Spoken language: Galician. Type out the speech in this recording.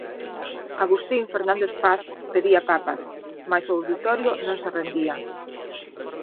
Agustín Fernández Paz pedía papas, mais o auditorio non se rendía.